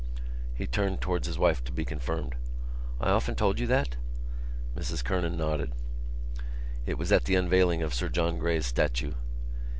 He turned towards his wife to be confirmed. "I often told you that?" Mrs Kernan nodded. "It was at the unveiling of Sir John Gray's statue.